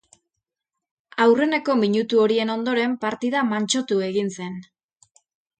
Aurreneko minutu horien ondoren partida mantsotu egin zen.